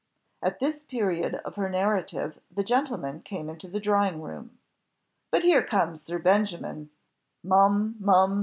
At this period of her narrative the gentlemen came into the drawing room. "But here comes Sir Benjamin! mum, mum!